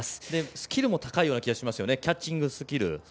スキルも高いような気がしますねキャッチングスキル。